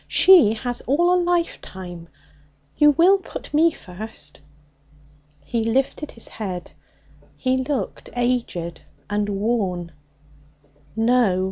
She has all a lifetime. You will put me first?' He lifted his head. He looked aged and worn. 'No!